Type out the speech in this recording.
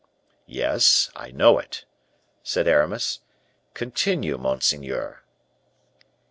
"Yes, I know it," said Aramis. "Continue, monseigneur."